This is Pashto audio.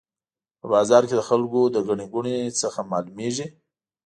په بازار کې د خلکو له ګڼې ګوڼې نه معلومېږي.